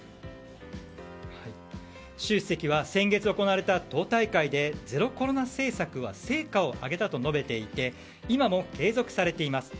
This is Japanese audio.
習主席は先月行われた党大会でゼロコロナ政策は成果を上げたと述べていて今も継続されています。